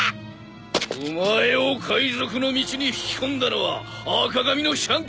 お前を海賊の道に引き込んだのは赤髪のシャンクスか！